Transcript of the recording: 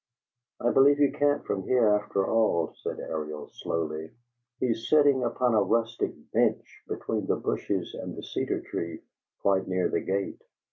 "I believe you can't from here, after all," said Ariel, slowly. "He is sitting upon a rustic bench between the bushes and the cedar tree, quite near the gate.